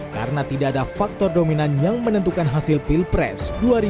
karena tidak ada faktor dominan yang menentukan hasil pilpres dua ribu dua puluh empat